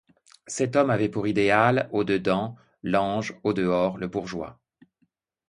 Cet homme avait pour idéal, au dedans, l'ange, au dehors, le bourgeois.